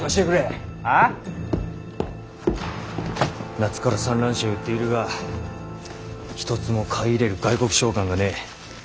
夏から蚕卵紙を売っているが一つも買い入れる外国商館がねぇ。